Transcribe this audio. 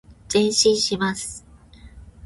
前進します。